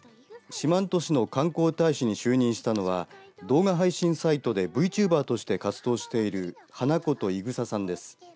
四万十市の観光大使に就任したのは動画配信サイトでＶチューバーとして活動している花琴いぐささんです。